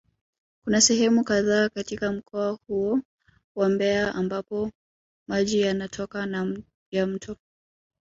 Kuna sehemu kadhaa katika mkoa huo wa Mbeya ambapo maji yanatoka ya moto